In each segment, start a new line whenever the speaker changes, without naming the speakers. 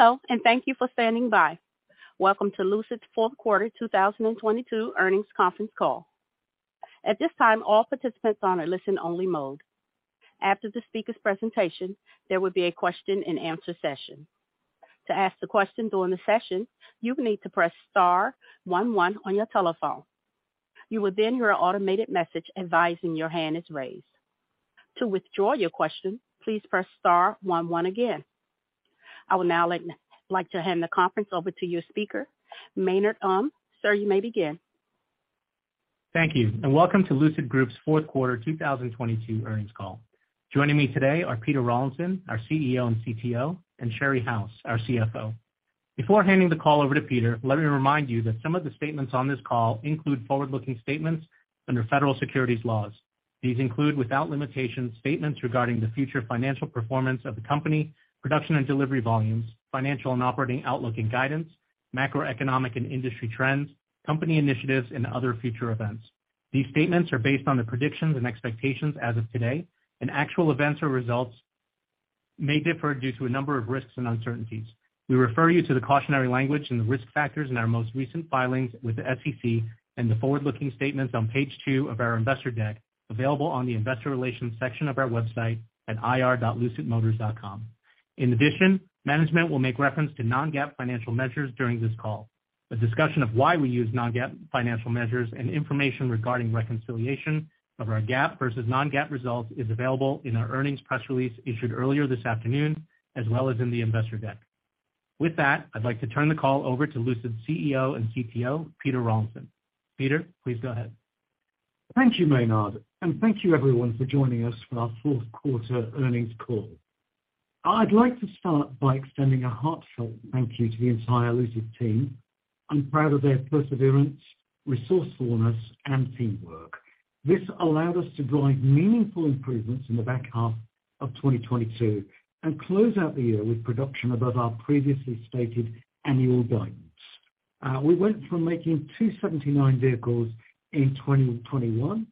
Hello, and thank you for standing by. Welcome to Lucid's fourth quarter, 2022 earnings conference call. At this time, all participants are on a listen only mode. After the speaker's presentation, there will be a question-and-answer session. To ask the question during the session, you will need to press star one one on your telephone. You will then hear an automated message advising your hand is raised. To withdraw your question, please press star one one again. I would now like to hand the conference over to your speaker, Maynard Um. Sir, you may begin.
Thank you, welcome to Lucid Group's fourth quarter 2022 earnings call. Joining me today are Peter Rawlinson, our CEO and CTO, and Sherry House, our CFO. Before handing the call over to Peter, let me remind you that some of the statements on this call include forward-looking statements under federal securities laws. These include, without limitation, statements regarding the future financial performance of the company, production and delivery volumes, financial and operating outlook and guidance, macroeconomic and industry trends, company initiatives, and other future events. These statements are based on the predictions and expectations as of today, and actual events or results may differ due to a number of risks and uncertainties. We refer you to the cautionary language and the risk factors in our most recent filings with the SEC and the forward-looking statements on page 2 of our investor deck, available on the investor relations section of our website at ir.lucidmotors.com. Management will make reference to non-GAAP financial measures during this call. A discussion of why we use non-GAAP financial measures and information regarding reconciliation of our GAAP versus non-GAAP results is available in our earnings press release issued earlier this afternoon, as well as in the investor deck. I'd like to turn the call over to Lucid's CEO and CTO, Peter Rawlinson. Peter, please go ahead.
Thank you, Maynard, and thank you everyone for joining us for our fourth quarter earnings call. I'd like to start by extending a heartfelt thank you to the entire Lucid team. I'm proud of their perseverance, resourcefulness, and teamwork. This allowed us to drive meaningful improvements in the back half of 2022 and close out the year with production above our previously stated annual guidance. We went from making 279 vehicles in 2021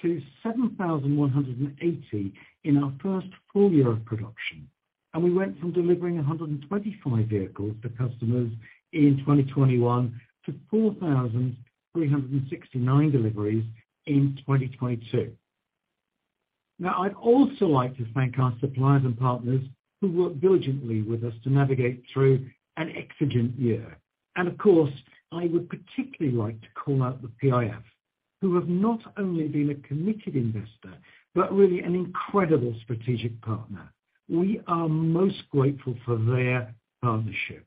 to 7,180 in our first full year of production, and we went from delivering 125 vehicles to customers in 2021 to 4,369 deliveries in 2022. I'd also like to thank our suppliers and partners who worked diligently with us to navigate through an exigent year. Of course, I would particularly like to call out the PIF, who have not only been a committed investor, but really an incredible strategic partner. We are most grateful for their partnership.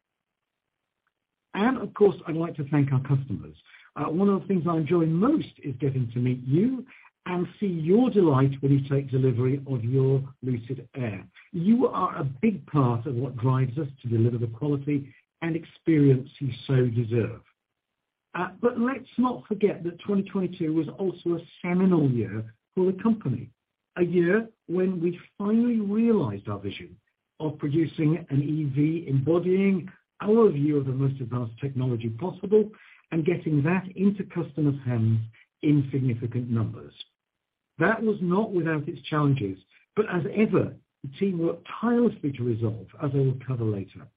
Of course, I'd like to thank our customers. One of the things I enjoy most is getting to meet you and see your delight when you take delivery of your Lucid Air. You are a big part of what drives us to deliver the quality and experience you so deserve. Let's not forget that 2022 was also a seminal year for the company. A year when we finally realized our vision of producing an EV embodying our view of the most advanced technology possible and getting that into customers' hands in significant numbers. That was not without its challenges, but as ever, the team worked tirelessly to resolve, as I will cover later.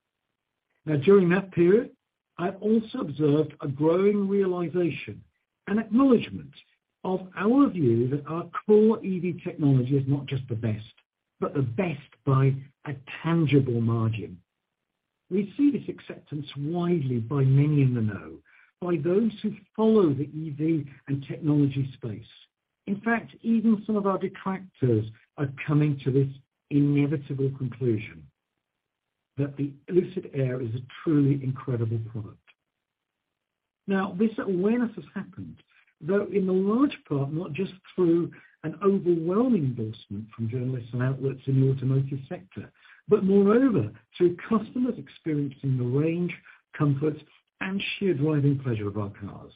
During that period, I've also observed a growing realization, an acknowledgement of our view that our core EV technology is not just the best, but the best by a tangible margin. We see this acceptance widely by many in the know, by those who follow the EV and technology space. In fact, even some of our detractors are coming to this inevitable conclusion that the Lucid Air is a truly incredible product. This awareness has happened, though in the large part, not just through an overwhelming endorsement from journalists and outlets in the automotive sector, but moreover, through customers experiencing the range, comfort, and sheer driving pleasure of our cars.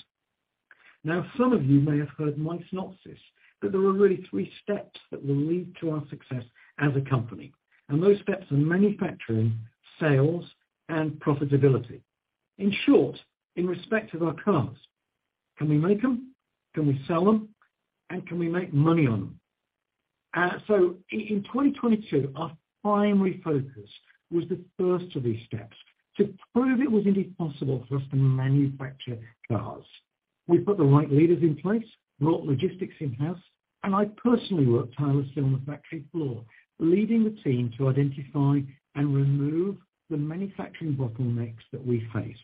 Some of you may have heard my synopsis, that there are really three steps that will lead to our success as a company, and those steps are manufacturing, sales, and profitability. In short, in respect of our cars, can we make them? Can we sell them? Can we make money on them? In 2022, our primary focus was the first of these steps, to prove it was indeed possible for us to manufacture cars. We put the right leaders in place, brought logistics in-house, and I personally worked tirelessly on the factory floor, leading the team to identify and remove the manufacturing bottlenecks that we faced,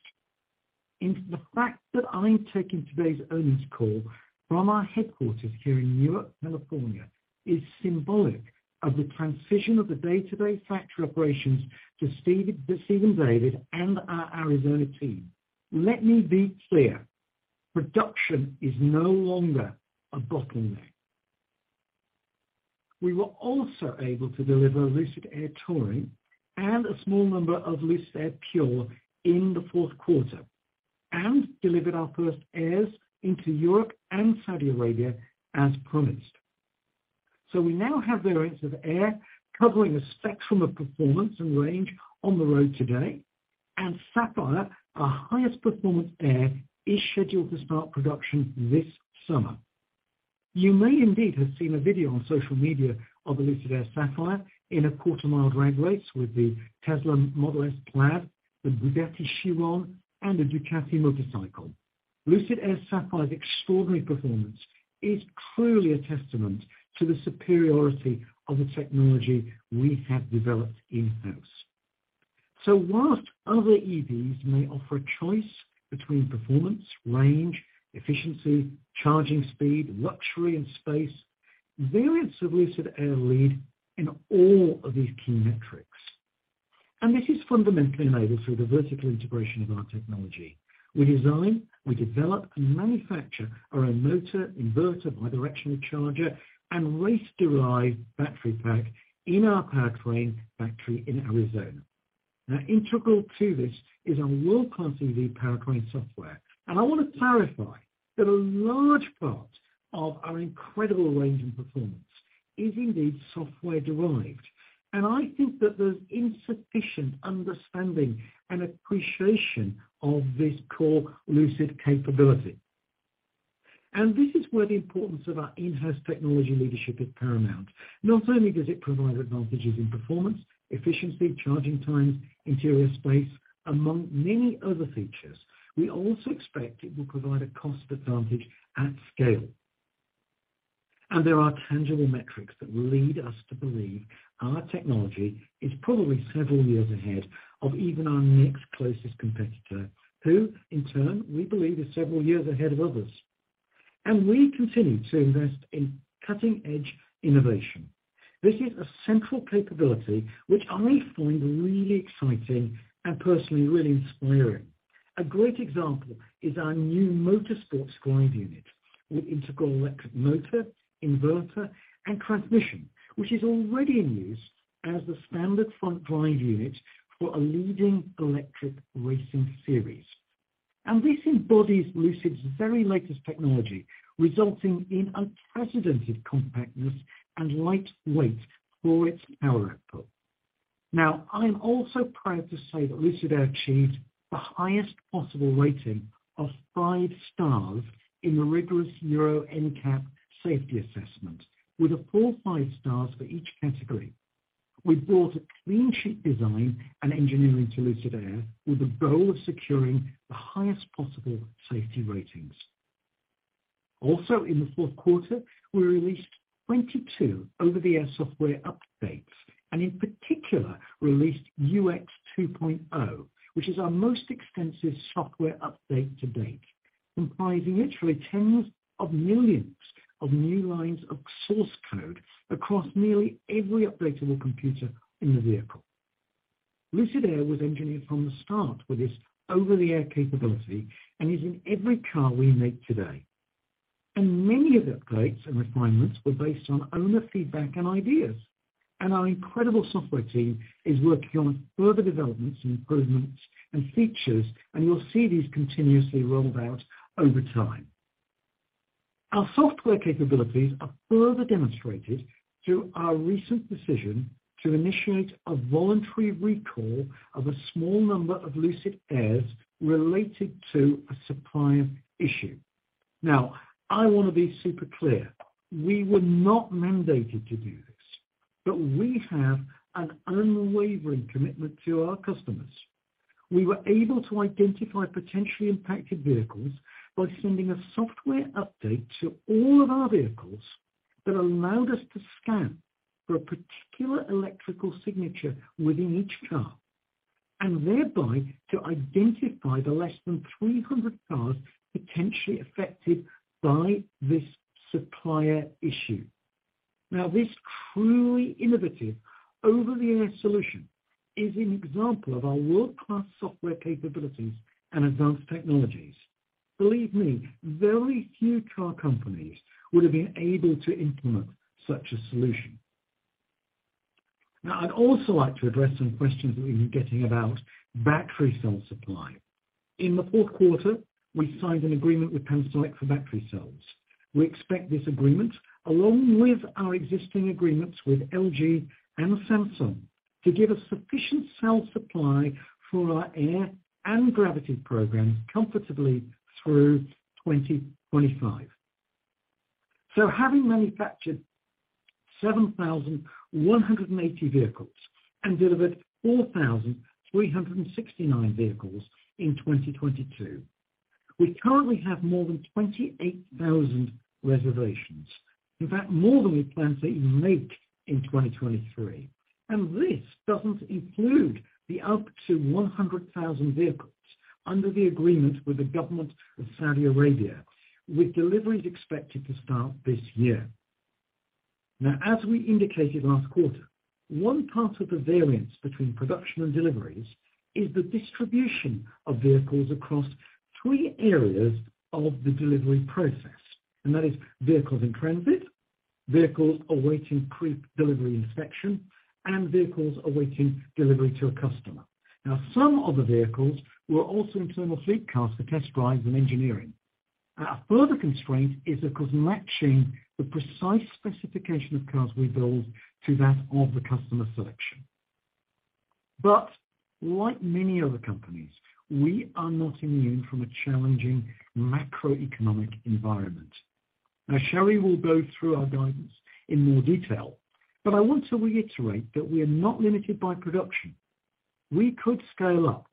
and the fact that I'm taking today's earnings call from our headquarters here in Newark, California, is symbolic of the transition of the day-to-day factory operations to Steven David and our Arizona team. Let me be clear, production is no longer a bottleneck. We were also able to deliver Lucid Air Touring and a small number of Lucid Air Pure in the fourth quarter, delivered our first Airs into Europe and Saudi Arabia as promised. We now have variants of Air covering a spectrum of performance and range on the road today, and Sapphire, our highest performance Air, is scheduled to start production this summer. You may indeed have seen a video on social media of the Lucid Air Sapphire in a quarter-mile drag race with the Tesla Model S Plaid, the Bugatti Chiron, and a Ducati motorcycle. Lucid Air Sapphire's extraordinary performance is truly a testament to the superiority of the technology we have developed in-house. While other EVs may offer a choice between performance, range, efficiency, charging speed, luxury, and space, variants of Lucid Air lead in all of these key metrics. This is fundamentally enabled through the vertical integration of our technology. We design, we develop, and manufacture our own motor inverter, bi-directional charger, and race-derived battery pack in our powertrain factory in Arizona. Integral to this is our world-class EV powertrain software. I want to clarify that a large part of our incredible range and performance is indeed software-derived. I think that there's insufficient understanding and appreciation of this core Lucid capability. This is where the importance of our in-house technology leadership is paramount. Not only does it provide advantages in performance, efficiency, charging times, interior space, among many other features, we also expect it will provide a cost advantage at scale. There are tangible metrics that lead us to believe our technology is probably several years ahead of even our next closest competitor, who in turn, we believe is several years ahead of others. We continue to invest in cutting-edge innovation. This is a central capability which I find really exciting and personally really inspiring. A great example is our new Motorsports drive unit with integral electric motor, inverter, and transmission, which is already in use as the standard front drive unit for a leading electric racing series. This embodies Lucid's very latest technology, resulting in unprecedented compactness and light weight for its power output. Now, I'm also proud to say that Lucid Air achieved the highest possible rating of five stars in the rigorous Euro NCAP safety assessment, with a full five stars for each category. We brought a clean sheet design and engineering to Lucid Air with a goal of securing the highest possible safety ratings. In the fourth quarter, we released 22 over-the-air software updates, and in particular released Lucid UX 2.0, which is our most extensive software update to date, comprising literally tens of millions of new lines of source code across nearly every updatable computer in the vehicle. Lucid Air was engineered from the start with this over-the-air capability and is in every car we make today. Many of the upgrades and refinements were based on owner feedback and ideas. Our incredible software team is working on further developments, improvements, and features, and you'll see these continuously rolled out over time. Our software capabilities are further demonstrated through our recent decision to initiate a voluntary recall of a small number of Lucid Airs related to a supplier issue. I want to be super clear. We were not mandated to do this, but we have an unwavering commitment to our customers. We were able to identify potentially impacted vehicles by sending a software update to all of our vehicles that allowed us to scan for a particular electrical signature within each car, and thereby to identify the less than 300 cars potentially affected by this supplier issue. This truly innovative over-the-air solution is an example of our world-class software capabilities and advanced technologies. Believe me, very few car companies would have been able to implement such a solution. I'd also like to address some questions we've been getting about battery cell supply. In the fourth quarter, we signed an agreement with Panasonic for battery cells. We expect this agreement, along with our existing agreements with LG and Samsung, to give us sufficient cell supply for our Air and Gravity program comfortably through 2025. Having manufactured 7,180 vehicles and delivered 4,369 vehicles in 2022, we currently have more than 28,000 reservations. In fact, more than we plan to even make in 2023. This doesn't include the up to 100,000 vehicles under the agreement with the government of Saudi Arabia, with deliveries expected to start this year. As we indicated last quarter, one part of the variance between production and deliveries is the distribution of vehicles across three areas of the delivery process, and that is vehicles in transit, vehicles awaiting pre-delivery inspection, and vehicles awaiting delivery to a customer. Some of the vehicles were also internal fleet cars for test drives and engineering. A further constraint is, of course, matching the precise specification of cars we build to that of the customer selection. Like many other companies, we are not immune from a challenging macroeconomic environment. Sherry will go through our guidance in more detail, but I want to reiterate that we are not limited by production. We could scale up,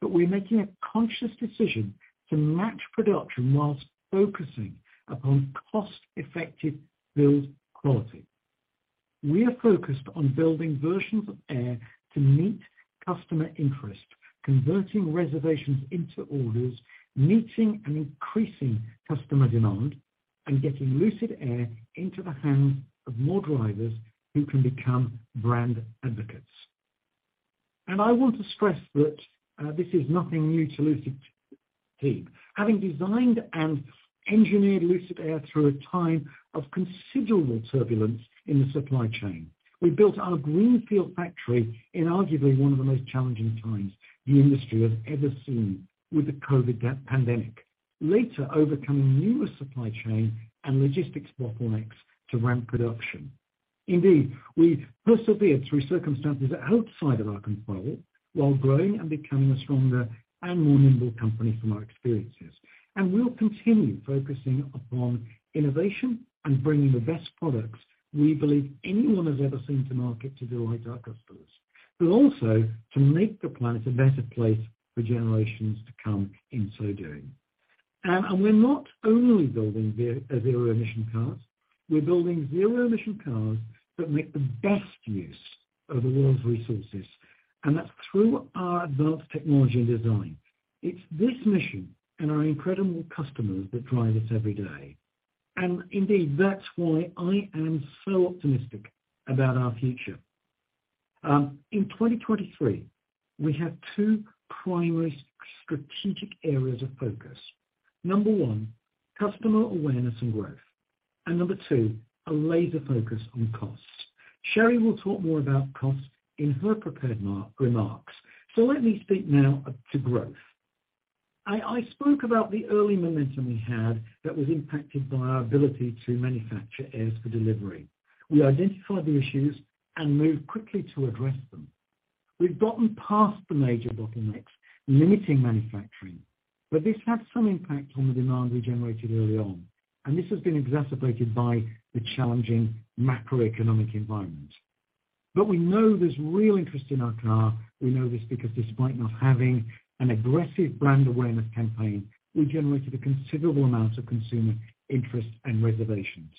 but we're making a conscious decision to match production whilst focusing upon cost-effective build quality. We are focused on building versions of Lucid Air to meet customer interest, converting reservations into orders, meeting and increasing customer demand, and getting Lucid Air into the hands of more drivers who can become brand advocates. I want to stress that this is nothing new to Lucid team. Having designed and engineered Lucid Air through a time of considerable turbulence in the supply chain, we built our greenfield factory in arguably one of the most challenging times the industry has ever seen with the COVID pandemic, later overcoming newer supply chain and logistics bottlenecks to ramp production. Indeed, we persevered through circumstances outside of our control while growing and becoming a stronger and more nimble company from our experiences. We'll continue focusing upon innovation and bringing the best products we believe anyone has ever seen to market to delight our customers, but also to make the planet a better place for generations to come in so doing. We're not only building zero-emission cars, we're building zero-emission cars that make the best use of the world's resources, and that's through our advanced technology and design. It's this mission and our incredible customers that drive us every day. Indeed, that's why I am so optimistic about our future. In 2023, we have two primary strategic areas of focus. Number 1, customer awareness and growth. Number 2, a laser focus on costs. Sherry will talk more about costs in her prepared remarks. Let me speak now to growth. I spoke about the early momentum we had that was impacted by our ability to manufacture Airs for delivery. We identified the issues and moved quickly to address them. We've gotten past the major bottlenecks limiting manufacturing, this had some impact on the demand we generated early on, and this has been exacerbated by the challenging macroeconomic environment. We know there's real interest in our car. We know this because despite not having an aggressive brand awareness campaign, we generated a considerable amount of consumer interest and reservations.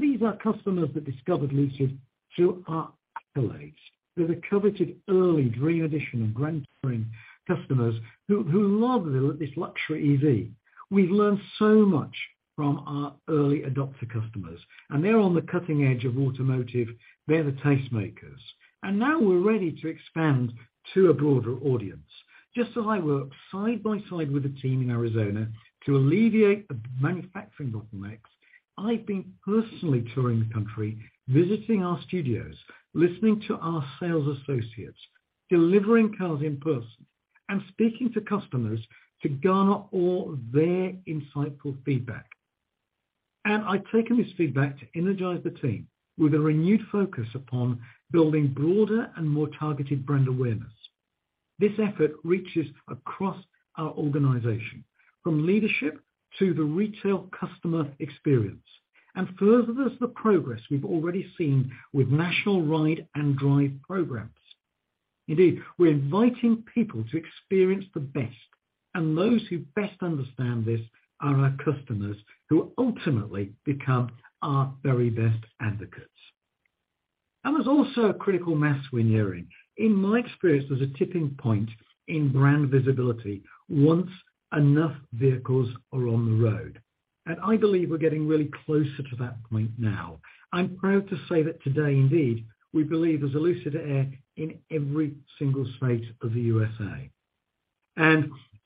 These are customers that discovered Lucid through our accolades. They're the coveted early Dream Edition and Grand Touring customers who love this luxury EV. We've learned so much from our early adopter customers, and they're on the cutting edge of automotive. They're the tastemakers. Now we're ready to expand to a broader audience. Just as I work side by side with the team in Arizona to alleviate the manufacturing bottlenecks, I've been personally touring the country, visiting our studios, listening to our sales associates, delivering cars in person, and speaking to customers to garner all their insightful feedback. I've taken this feedback to energize the team with a renewed focus upon building broader and more targeted brand awareness. This effort reaches across our organization, from leadership to the retail customer experience, and furthers the progress we've already seen with national ride and drive programs. Indeed, we're inviting people to experience the best, and those who best understand this are our customers, who ultimately become our very best advocates. There's also a critical mass we're nearing. In my experience, there's a tipping point in brand visibility once enough vehicles are on the road, and I believe we're getting really closer to that point now. I'm proud to say that today, indeed, we believe there's a Lucid Air in every single state of the USA.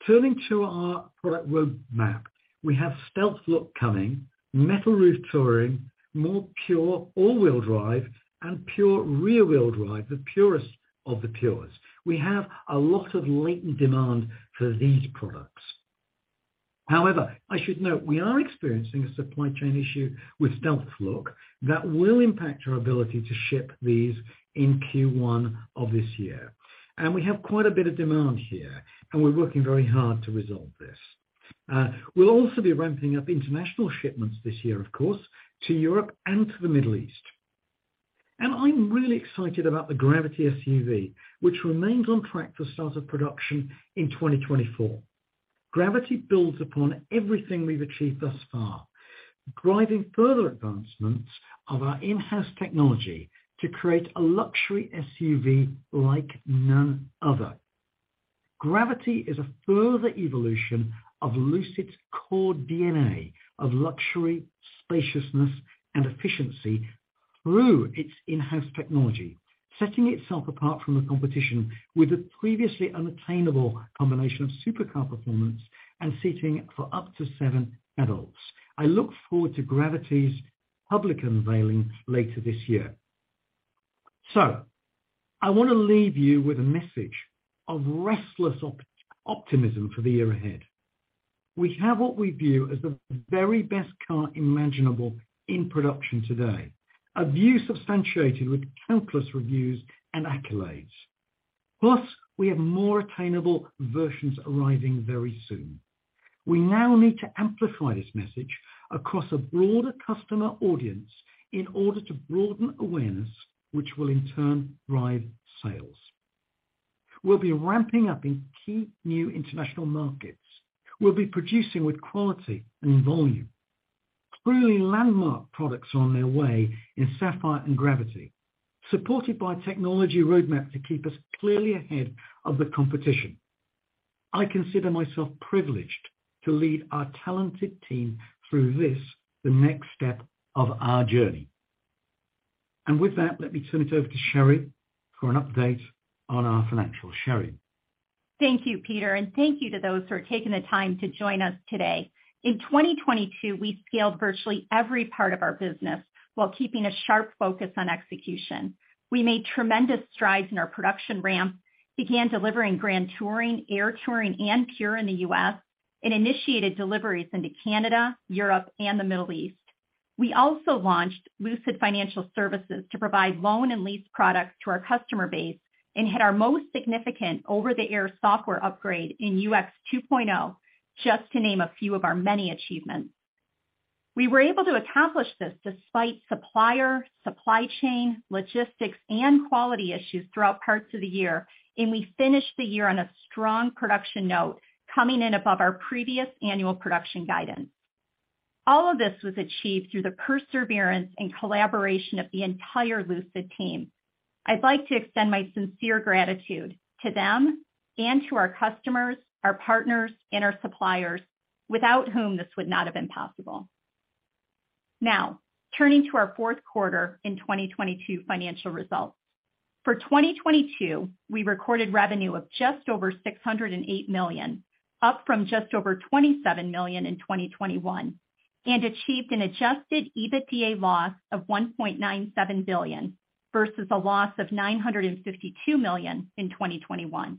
Turning to our product roadmap, we have Stealth Look coming, metal roof Touring, more Pure all-wheel drive, and Pure rear-wheel drive, the purest of the purest. We have a lot of latent demand for these products. However, I should note we are experiencing a supply chain issue with Stealth Look that will impact our ability to ship these in Q1 of this year. We have quite a bit of demand here, and we're working very hard to resolve this. We'll also be ramping up international shipments this year, of course, to Europe and to the Middle East. I'm really excited about the Gravity SUV, which remains on track for start of production in 2024. Gravity builds upon everything we've achieved thus far, driving further advancements of our in-house technology to create a luxury SUV like none other. Gravity is a further evolution of Lucid's core DNA of luxury, spaciousness, and efficiency through its in-house technology, setting itself apart from the competition with a previously unattainable combination of supercar performance and seating for up to 7 adults. I look forward to Gravity's public unveiling later this year. I wanna leave you with a message of restless optimism for the year ahead. We have what we view as the very best car imaginable in production today. A view substantiated with countless reviews and accolades. Plus, we have more attainable versions arriving very soon. We now need to amplify this message across a broader customer audience in order to broaden awareness, which will in turn drive sales. We'll be ramping up in key new international markets. We'll be producing with quality and volume. Truly landmark products are on their way in Sapphire and Gravity, supported by a technology roadmap to keep us clearly ahead of the competition. I consider myself privileged to lead our talented team through this, the next step of our journey. With that, let me turn it over to Sherry for an update on our financials. Sherry?
Thank you, Peter, thank you to those who are taking the time to join us today. In 2022, we scaled virtually every part of our business while keeping a sharp focus on execution. We made tremendous strides in our production ramp, began delivering Grand Touring, Air Touring, and Pure in the U.S., and initiated deliveries into Canada, Europe, and the Middle East. We also launched Lucid Financial Services to provide loan and lease products to our customer base and had our most significant over-the-air software upgrade in UX 2.0, just to name a few of our many achievements. We were able to accomplish this despite supplier, supply chain, logistics, and quality issues throughout parts of the year, and we finished the year on a strong production note, coming in above our previous annual production guidance. All of this was achieved through the perseverance and collaboration of the entire Lucid team. I'd like to extend my sincere gratitude to them and to our customers, our partners, and our suppliers, without whom this would not have been possible. Now, turning to our fourth quarter in 2022 financial results. For 2022, we recorded revenue of just over $608 million, up from just over $27 million in 2021, and achieved an adjusted EBITDA loss of $1.97 billion versus a loss of $952 million in 2021.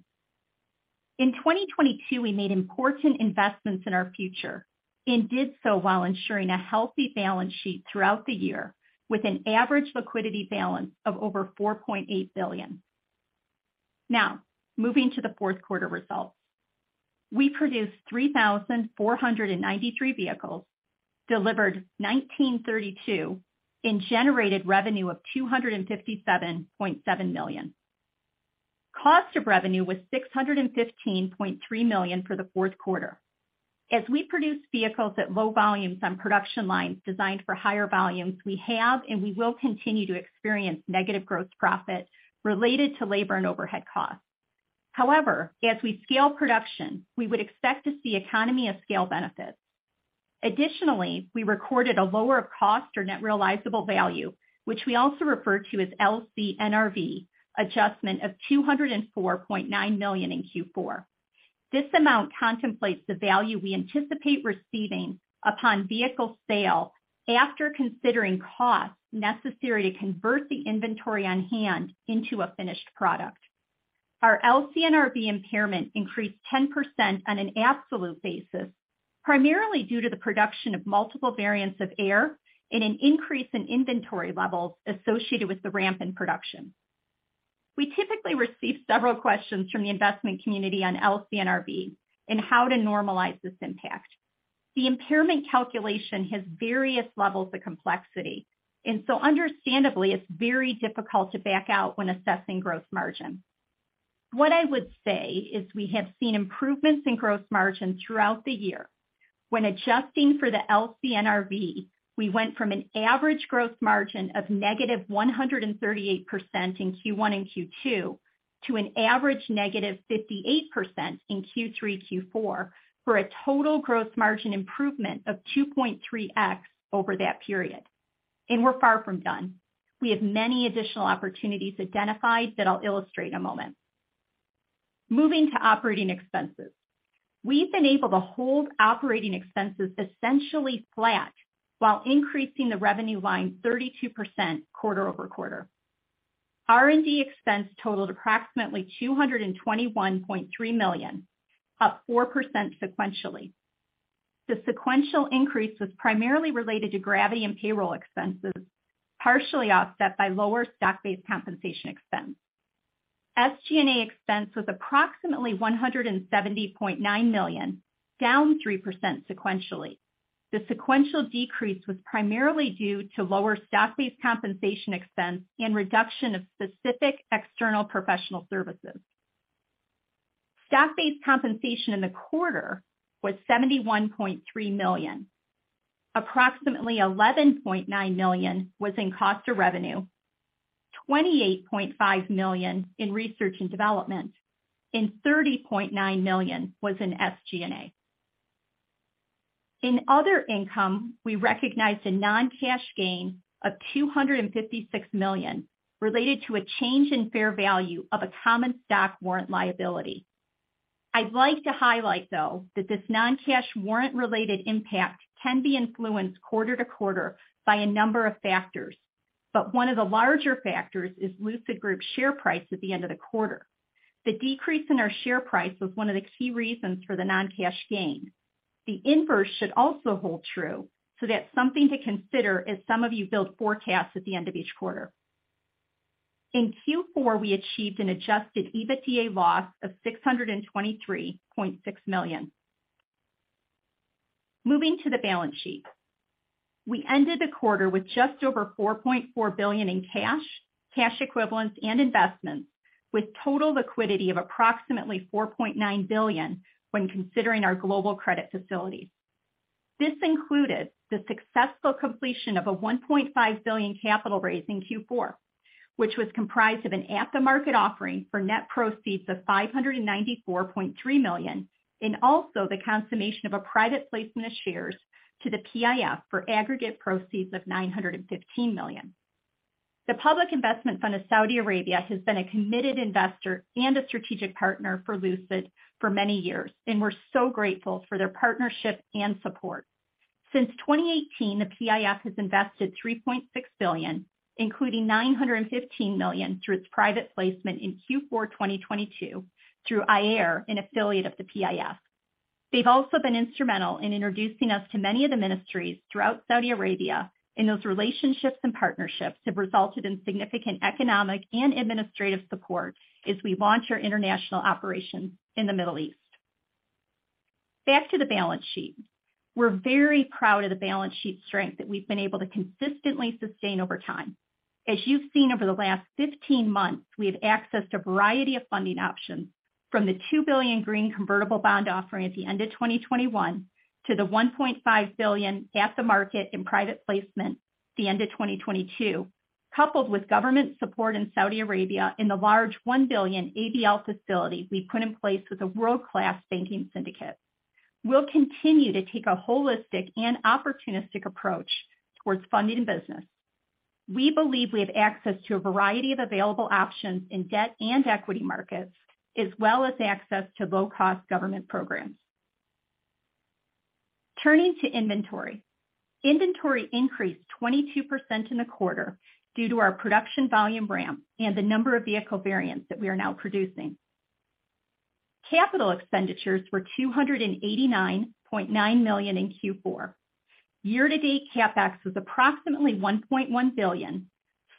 In 2022, we made important investments in our future and did so while ensuring a healthy balance sheet throughout the year with an average liquidity balance of over $4.8 billion. Now, moving to the fourth quarter results. We produced 3,493 vehicles, delivered 1,932, and generated revenue of $257.7 million. Cost of revenue was $615.3 million for the fourth quarter. As we produce vehicles at low volumes on production lines designed for higher volumes, we have and we will continue to experience negative gross profits related to labor and overhead costs. However, as we scale production, we would expect to see economy of scale benefits. Additionally, we recorded a lower cost or net realizable value, which we also refer to as LCNRV, adjustment of $204.9 million in Q4. This amount contemplates the value we anticipate receiving upon vehicle sale after considering costs necessary to convert the inventory on hand into a finished product. Our LCNRV impairment increased 10% on an absolute basis, primarily due to the production of multiple variants of Lucid Air and an increase in inventory levels associated with the ramp in production. We typically receive several questions from the investment community on LCNRV and how to normalize this impact. The impairment calculation has various levels of complexity, understandably, it's very difficult to back out when assessing gross margin. What I would say is we have seen improvements in gross margin throughout the year. When adjusting for the LCNRV, we went from an average gross margin of negative 138% in Q1 and Q2 to an average negative 58% in Q3, Q4, for a total gross margin improvement of 2.3x over that period. We're far from done. We have many additional opportunities identified that I'll illustrate in a moment. Moving to operating expenses. We've been able to hold operating expenses essentially flat while increasing the revenue line 32% quarter-over-quarter. R&D expense totaled approximately $221.3 million, up 4% sequentially. The sequential increase was primarily related to Gravity and payroll expenses, partially offset by lower stock-based compensation expense. SG&A expense was approximately $170.9 million, down 3% sequentially. The sequential decrease was primarily due to lower stock-based compensation expense and reduction of specific external professional services. Stock-based compensation in the quarter was $71.3 million. Approximately $11.9 million was in cost of revenue, $28.5 million in research and development, and $30.9 million was in SG&A. In other income, we recognized a non-cash gain of $256 million related to a change in fair value of a common stock warrant liability. I'd like to highlight, though, that this non-cash warrant-related impact can be influenced quarter-to-quarter by a number of factors. One of the larger factors is Lucid Group's share price at the end of the quarter. The decrease in our share price was one of the key reasons for the non-cash gain. The inverse should also hold true. That's something to consider as some of you build forecasts at the end of each quarter. In Q4, we achieved an adjusted EBITDA loss of $623.6 million. Moving to the balance sheet. We ended the quarter with just over $4.4 billion in cash equivalents, and investments, with total liquidity of approximately $4.9 billion when considering our global credit facilities. This included the successful completion of a $1.5 billion capital raise in Q4, which was comprised of an at-the-market offering for net proceeds of $594.3 million, and also the consummation of a private placement of shares to the PIF for aggregate proceeds of $915 million. The Public Investment Fund of Saudi Arabia has been a committed investor and a strategic partner for Lucid for many years, and we're so grateful for their partnership and support. Since 2018, the PIF has invested $3.6 billion, including $915 million through its private placement in Q4 2022 through Ayar, an affiliate of the PIF. They've also been instrumental in introducing us to many of the ministries throughout Saudi Arabia. Those relationships and partnerships have resulted in significant economic and administrative support as we launch our international operations in the Middle East. Back to the balance sheet. We're very proud of the balance sheet strength that we've been able to consistently sustain over time. As you've seen over the last 15 months, we have accessed a variety of funding options from the $2 billion green convertible bond offering at the end of 2021 to the $1.5 billion at-the-market in private placement at the end of 2022, coupled with government support in Saudi Arabia in the large $1 billion ABL facility we put in place with a world-class banking syndicate. We'll continue to take a holistic and opportunistic approach towards funding the business. We believe we have access to a variety of available options in debt and equity markets, as well as access to low-cost government programs. Turning to inventory. Inventory increased 22% in the quarter due to our production volume ramp and the number of vehicle variants that we are now producing. Capital expenditures were $289.9 million in Q4. Year-to-date CapEx was approximately $1.1 billion,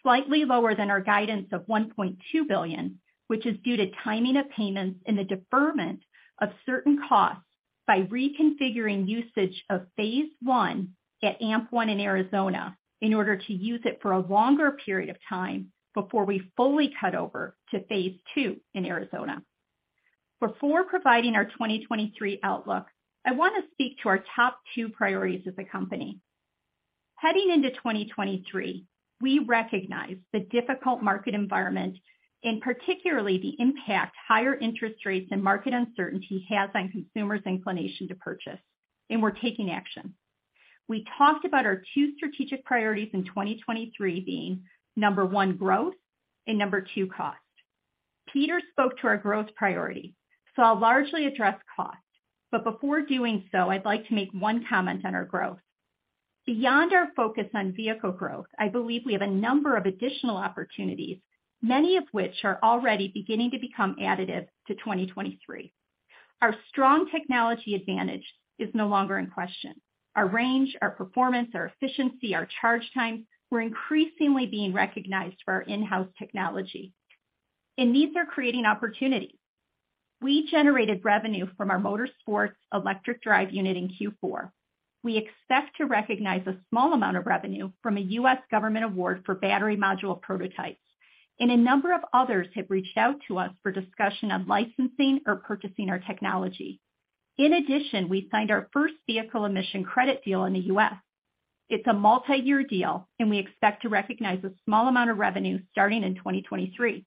slightly lower than our guidance of $1.2 billion, which is due to timing of payments and the deferment of certain costs by reconfiguring usage of Phase 1 at AMP-1 in Arizona in order to use it for a longer period of time before we fully cut over to Phase 2 in Arizona. Before providing our 2023 outlook, I wanna speak to our top two priorities as a company. Heading into 2023, we recognize the difficult market environment and particularly the impact higher interest rates and market uncertainty has on consumers' inclination to purchase, and we're taking action. We talked about our 2 strategic priorities in 2023 being, number 1, growth, and number 2, cost. Peter spoke to our growth priority, I'll largely address cost. Before doing so, I'd like to make one comment on our growth. Beyond our focus on vehicle growth, I believe we have a number of additional opportunities, many of which are already beginning to become additive to 2023. Our strong technology advantage is no longer in question. Our range, our performance, our efficiency, our charge times, we're increasingly being recognized for our in-house technology. These are creating opportunities. We generated revenue from our motorsports electric drive unit in Q4. We expect to recognize a small amount of revenue from a U.S. government award for battery module prototypes. A number of others have reached out to us for discussion on licensing or purchasing our technology. In addition, we signed our first vehicle emission credit deal in the U.S. It's a multi-year deal. We expect to recognize a small amount of revenue starting in 2023.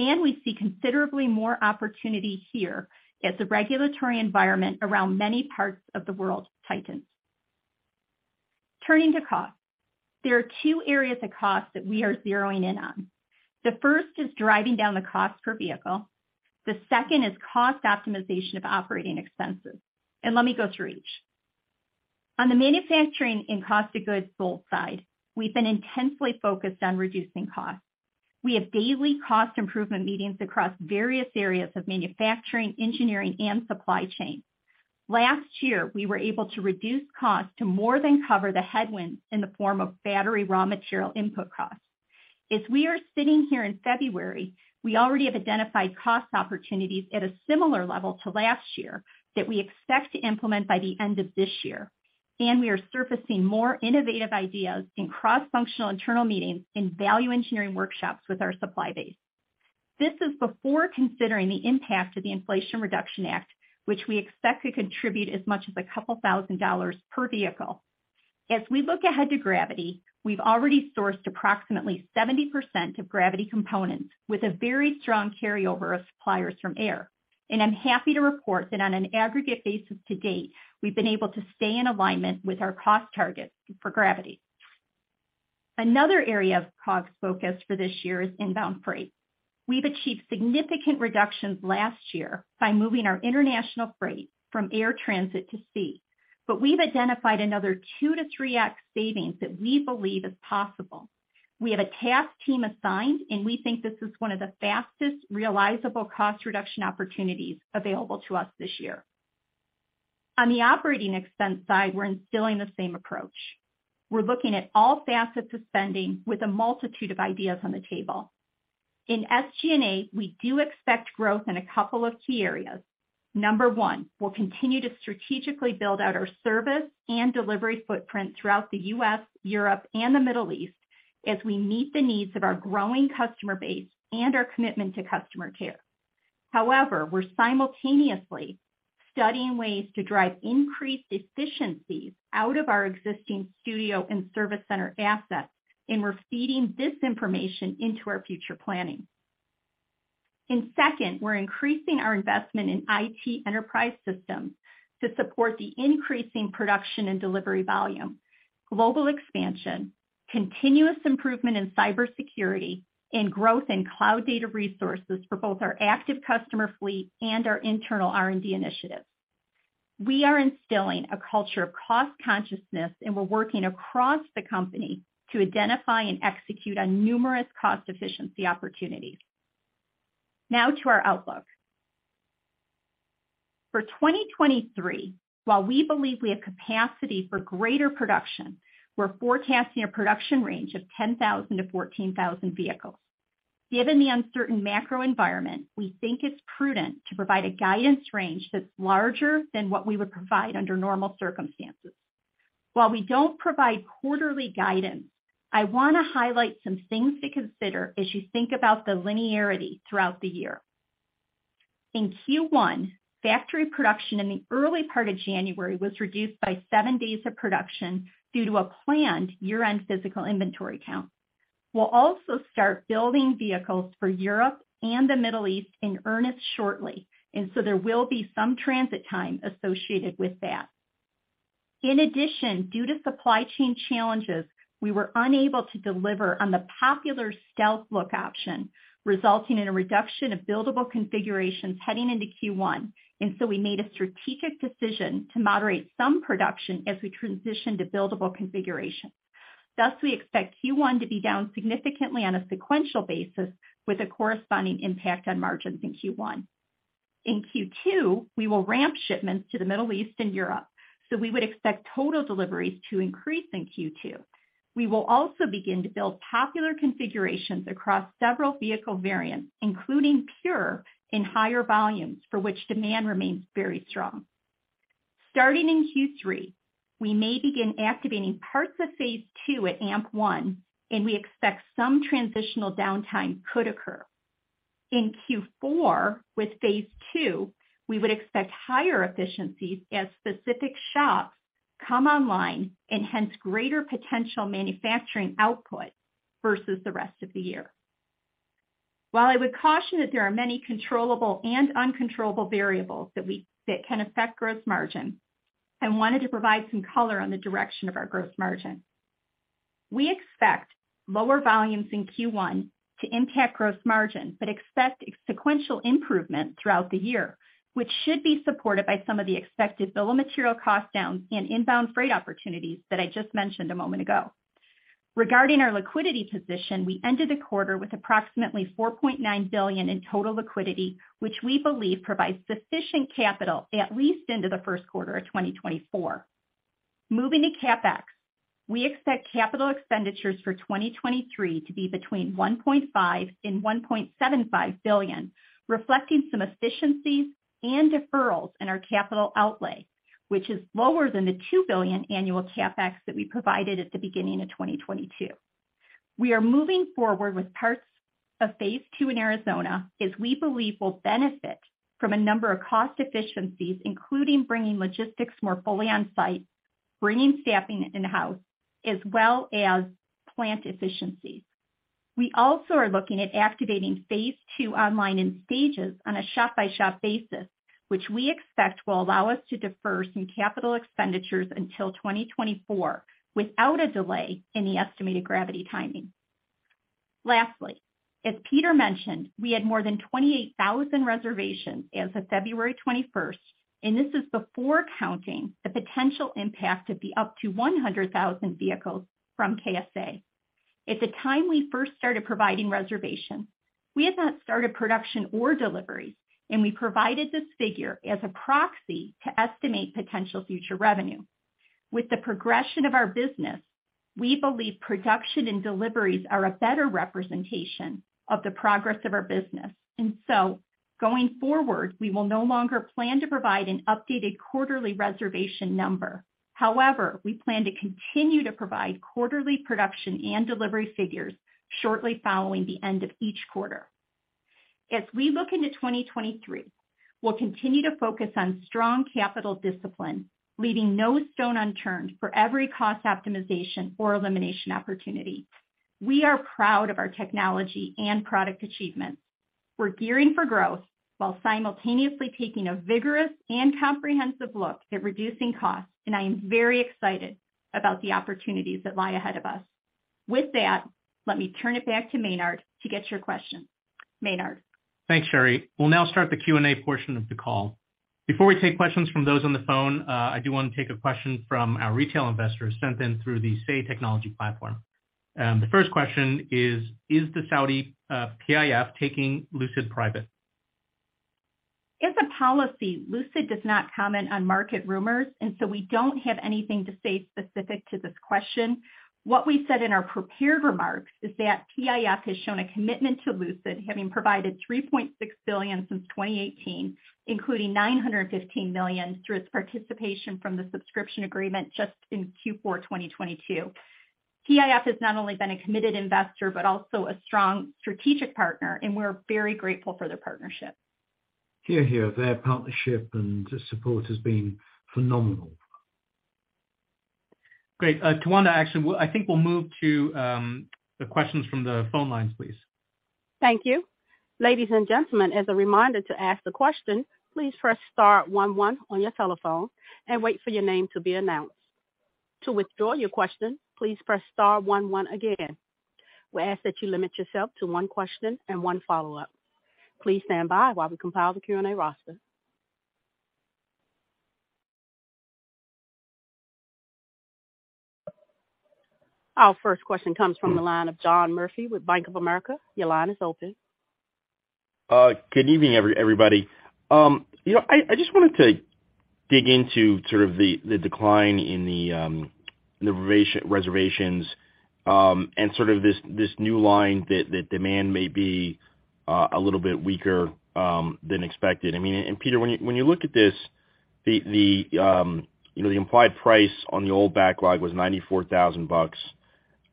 We see considerably more opportunity here as the regulatory environment around many parts of the world tightens. Turning to cost. There are two areas of cost that we are zeroing in on. The first is driving down the cost per vehicle. The second is cost optimization of operating expenses. Let me go through each. On the manufacturing and cost of goods sold side, we've been intensely focused on reducing costs. We have daily cost improvement meetings across various areas of manufacturing, engineering, and supply chain. Last year, we were able to reduce costs to more than cover the headwinds in the form of battery raw material input costs. As we are sitting here in February, we already have identified cost opportunities at a similar level to last year that we expect to implement by the end of this year, and we are surfacing more innovative ideas in cross-functional internal meetings and value engineering workshops with our supply base. This is before considering the impact of the Inflation Reduction Act, which we expect to contribute as much as $2,000 per vehicle. As we look ahead to Gravity, we've already sourced approximately 70% of Gravity components with a very strong carryover of suppliers from Air. I'm happy to report that on an aggregate basis to date, we've been able to stay in alignment with our cost targets for Gravity. Another area of cost focus for this year is inbound freight. We've achieved significant reductions last year by moving our international freight from air transit to sea. We've identified another 2x-3x savings that we believe is possible. We have a task team assigned, and we think this is one of the fastest realizable cost reduction opportunities available to us this year. On the operating expense side, we're instilling the same approach. We're looking at all facets of spending with a multitude of ideas on the table. In SG&A, we do expect growth in a couple of key areas. Number one, we'll continue to strategically build out our service and delivery footprint throughout the U.S., Europe, and the Middle East as we meet the needs of our growing customer base and our commitment to customer care. However, we're simultaneously studying ways to drive increased efficiencies out of our existing studio and service center assets, and we're feeding this information into our future planning. Second, we're increasing our investment in IT enterprise systems to support the increasing production and delivery volume, global expansion, continuous improvement in cybersecurity, and growth in cloud data resources for both our active customer fleet and our internal R&D initiatives. We are instilling a culture of cost consciousness, and we're working across the company to identify and execute on numerous cost efficiency opportunities. Now to our outlook. For 2023, while we believe we have capacity for greater production, we're forecasting a production range of 10,000-14,000 vehicles. Given the uncertain macro environment, we think it's prudent to provide a guidance range that's larger than what we would provide under normal circumstances. While we don't provide quarterly guidance, I wanna highlight some things to consider as you think about the linearity throughout the year. In Q1, factory production in the early part of January was reduced by seven days of production due to a planned year-end physical inventory count. We'll also start building vehicles for Europe and the Middle East in earnest shortly. There will be some transit time associated with that. In addition, due to supply chain challenges, we were unable to deliver on the popular Stealth Look option, resulting in a reduction of buildable configurations heading into Q1. We made a strategic decision to moderate some production as we transition to buildable configurations. Thus, we expect Q1 to be down significantly on a sequential basis with a corresponding impact on margins in Q1. In Q2, we will ramp shipments to the Middle East and Europe. We would expect total deliveries to increase in Q2. We will also begin to build popular configurations across several vehicle variants, including Pure in higher volumes, for which demand remains very strong. Starting in Q3, we may begin activating parts of phase two at AMP-1. We expect some transitional downtime could occur. In Q4, with phase two, we would expect higher efficiencies as specific shops come online and hence greater potential manufacturing output versus the rest of the year. I would caution that there are many controllable and uncontrollable variables that can affect gross margin, I wanted to provide some color on the direction of our gross margin. We expect lower volumes in Q1 to impact gross margin but expect sequential improvement throughout the year, which should be supported by some of the expected bill of material cost downs and inbound freight opportunities that I just mentioned a moment ago. Regarding our liquidity position, we ended the quarter with approximately $4.9 billion in total liquidity, which we believe provides sufficient capital at least into the first quarter of 2024. Moving to CapEx, we expect capital expenditures for 2023 to be between $1.5 billion and $1.75 billion, reflecting some efficiencies and deferrals in our capital outlay, which is lower than the $2 billion annual CapEx that we provided at the beginning of 2022. We are moving forward with parts of phase two in Arizona as we believe we'll benefit from a number of cost efficiencies, including bringing logistics more fully on-site, bringing staffing in-house, as well as plant efficiencies. We also are looking at activating phase two online in stages on a shop-by-shop basis, which we expect will allow us to defer some capital expenditures until 2024 without a delay in the estimated Gravity timing. Lastly, as Peter mentioned, we had more than 28,000 reservations as of February 21st. This is before counting the potential impact of the up to 100,000 vehicles from KSA. At the time we first started providing reservations, we had not started production or deliveries, and we provided this figure as a proxy to estimate potential future revenue. With the progression of our business, we believe production and deliveries are a better representation of the progress of our business. Going forward, we will no longer plan to provide an updated quarterly reservation number. However, we plan to continue to provide quarterly production and delivery figures shortly following the end of each quarter. As we look into 2023, we'll continue to focus on strong capital discipline, leaving no stone unturned for every cost optimization or elimination opportunity. We are proud of our technology and product achievements. We're gearing for growth while simultaneously taking a vigorous and comprehensive look at reducing costs. I am very excited about the opportunities that lie ahead of us. With that, let me turn it back to Maynard to get your questions. Maynard.
Thanks, Sherry. We'll now start the Q&A portion of the call. Before we take questions from those on the phone, I do wanna take a question from our retail investors sent in through the Say Technologies platform. The first question is the Saudi PIF taking Lucid private?
As a policy, Lucid does not comment on market rumors, and so we don't have anything to say specific to this question. What we said in our prepared remarks is that PIF has shown a commitment to Lucid, having provided $3.6 billion since 2018, including $915 million through its participation from the subscription agreement just in Q4 2022. PIF has not only been a committed investor, but also a strong strategic partner, and we're very grateful for their partnership.
Hear, hear. Their partnership and support has been phenomenal.
Great. Tawanda, actually, we'll move to the questions from the phone lines, please.
Thank you. Ladies and gentlemen, as a reminder to ask the question, please press star one one on your telephone and wait for your name to be announced. To withdraw your question, please press star one one again. We ask that you limit yourself to one question and one follow-up. Please stand by while we compile the Q&A roster. Our first question comes from the line of John Murphy with Bank of America. Your line is open.
Good evening, everybody. You know, I just wanted to dig into sort of the decline in the reservations, and sort of this new line that demand may be a little bit weaker than expected. I mean, Peter, when you look at this, the, you know, the implied price on the old backlog was $94,000.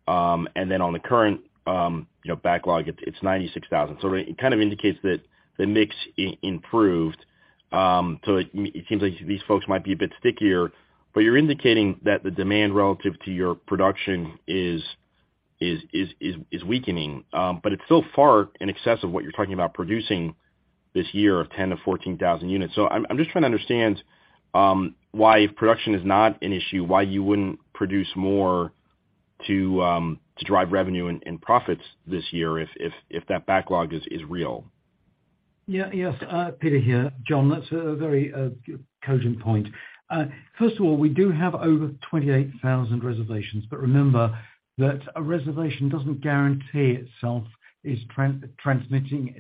On the current, you know, backlog, it's $96,000. It kind of indicates that the mix improved. It seems like these folks might be a bit stickier, but you're indicating that the demand relative to your production is weakening. It's still far in excess of what you're talking about producing this year of 10,000-14,000 units. I'm just trying to understand, why if production is not an issue, why you wouldn't produce more to drive revenue and profits this year if that backlog is real?
Yes, Peter here. John, that's a very cogent point. First of all, we do have over 28,000 reservations, but remember that a reservation doesn't guarantee itself is translating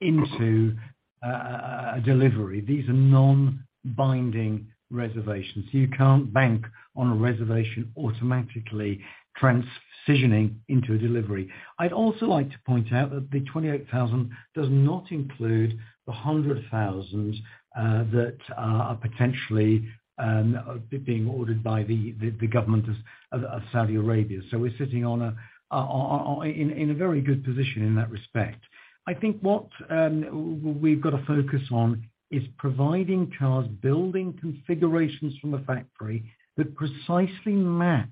into a delivery. These are non-binding reservations. You can't bank on a reservation automatically transitioning into a delivery. I'd also like to point out that the 28,000 does not include the 100,000 that are potentially being ordered by the government of Saudi Arabia. We're sitting in a very good position in that respect. I think what we've got to focus on is providing cars, building configurations from the factory that precisely match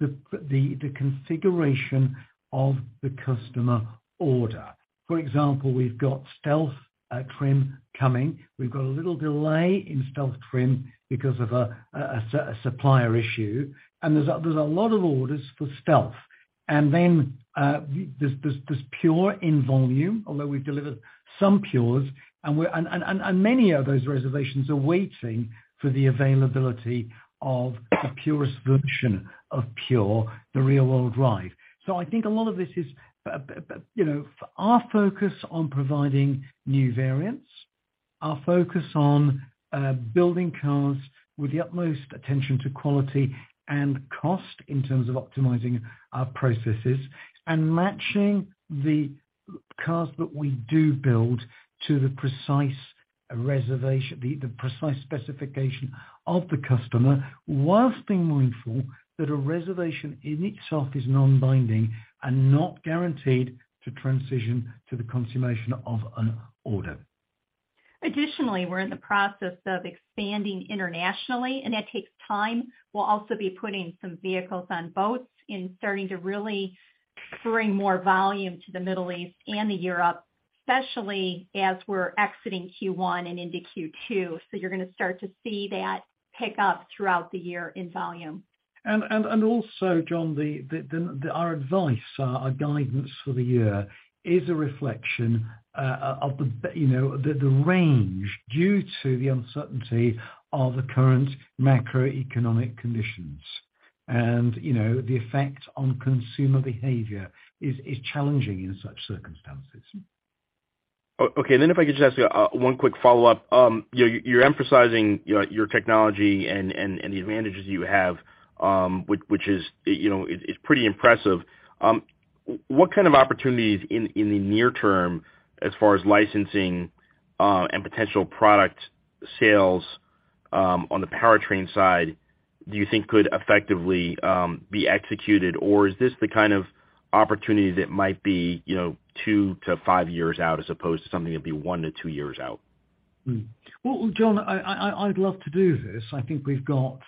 the configuration of the customer order. For example, we've got Stealth trim coming. We've got a little delay in Stealth trim because of a supplier issue. There's a lot of orders for Stealth. There's Pure in volume, although we've delivered some Pures, and many of those reservations are waiting for the availability of the purest version of Pure, the real world drive. I think a lot of this is, you know, our focus on providing new variants, our focus on building cars with the utmost attention to quality and cost in terms of optimizing our processes and matching the cars that we do build to the precise reservation, the precise specification of the customer, whilst being mindful that a reservation in itself is non-binding and not guaranteed to transition to the consummation of an order.
Additionally, we're in the process of expanding internationally, and that takes time. We'll also be putting some vehicles on boats and starting to really bring more volume to the Middle East and to Europe, especially as we're exiting Q1 and into Q2. You're gonna start to see that pick up throughout the year in volume.
Also, John, our advice, our guidance for the year is a reflection of the, you know, the range due to the uncertainty of the current macroeconomic conditions. You know, the effect on consumer behavior is challenging in such circumstances.
Okay. If I could just ask, one quick follow-up. You're emphasizing, you know, your technology and the advantages you have, which is, you know, it's pretty impressive. What kind of opportunities in the near term as far as licensing and potential product sales on the powertrain side do you think could effectively be executed? Is this the kind of opportunity that might be, you know, 2-5 years out as opposed to something that'd be 1-2 years out?
Well, John, I'd love to do this. I think we've got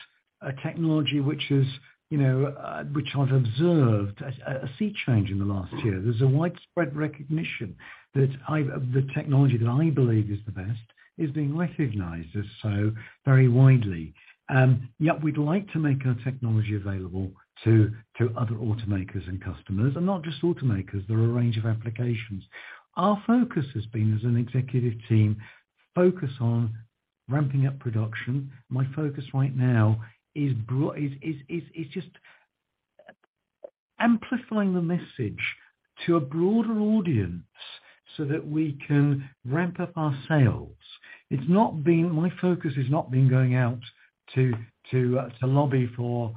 a technology which is, you know, which I've observed a sea change in the last year. There's a widespread recognition that the technology that I believe is the best is being recognized as so very widely. Yet we'd like to make our technology available to other automakers and customers, and not just automakers. There are a range of applications. Our focus has been, as an executive team, focus on ramping up production. My focus right now is just amplifying the message to a broader audience so that we can ramp up our sales. It's not been. My focus has not been going out to lobby for